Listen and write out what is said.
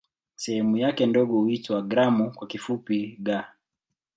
Sehemu yake ndogo huitwa "gramu" kwa kifupi "g".